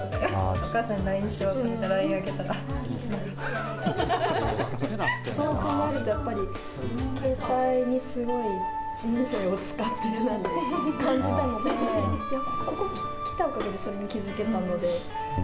お母さんにＬＩＮＥしようと思ってＬＩＮＥ開けたら、あっ、そう考えるとやっぱり、携帯にすごい人生を使っているなって感じたので、ここ来たおかげでそれに気付けたので。